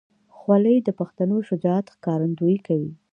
خولۍ د پښتنو شجاعت ښکارندویي کوي.